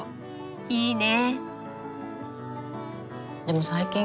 いいね！